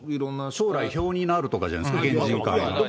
将来、票になるとかじゃないですか、県人会。